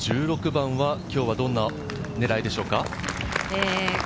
１６番は今日はどんな狙いでしょうか？